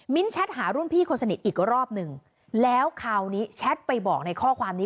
แชทหารุ่นพี่คนสนิทอีกรอบหนึ่งแล้วคราวนี้แชทไปบอกในข้อความนี้